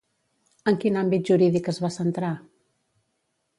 En quin àmbit jurídic es va centrar?